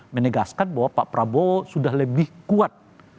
menegaskan bahwa pak prabowo sudah lebih kuat